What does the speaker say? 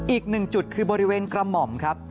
อีกหนึ่งจุดคือบริเวณกระหม่อมครับ